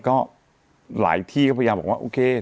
ก็หลายที่ก็พยายามบอกว่าโอเค